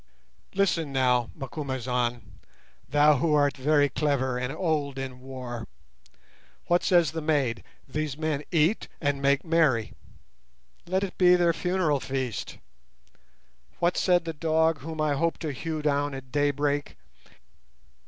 Listen now, Macumazahn, thou who art very clever and old in war. What says the maid? These men eat and make merry; let it be their funeral feast. What said the dog whom I hope to hew down at daybreak?